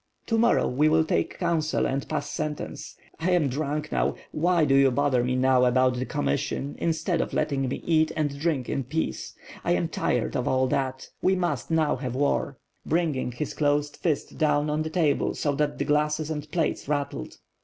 "To morrow we will take counsel and pass sentence. I am drunk now; why do you bother me now about the com mission, instead of letting me eat and drink in peace. I am tired of all that, we must now have war (bringing his closed fist down on the table so that the glasses and plates rattled.)